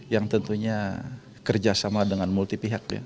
yang tentunya kerjasama dengan multi pihak ya